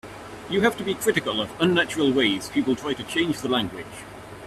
You have to be critical of unnatural ways people try to change the language.